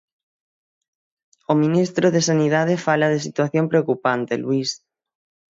O ministro de Sanidade fala de situación preocupante, Luís.